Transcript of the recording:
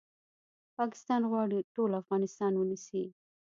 پاکستان غواړي ټول افغانستان ونیسي